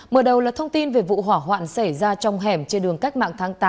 mở đầu là thông tin về vụ hỏa hoạn xảy ra trong hẻm trên đường cách mạng tháng tám